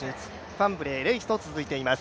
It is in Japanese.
ファンブレー、レイスと続いています。